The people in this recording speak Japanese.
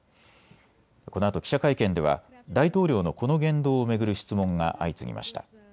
このあと記者会見では大統領のこの言動を巡る質問が相次ぎました。